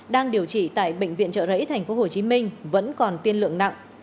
đang điều trị tại bệnh viện trợ rẫy tp hcm vẫn còn tiên lượng nặng